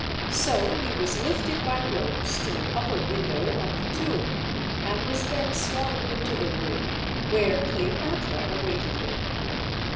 So he was lifted by ropes to an upper window of the tomb, and was then swung into the room where Cleopatra awaited him.